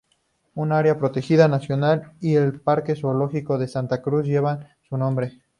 Un área protegida nacional y el parque zoológico de Santa Cruz llevan su nombre.